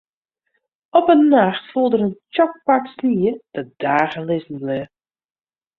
Op in nacht foel der in tsjok pak snie dat dagen lizzen bleau.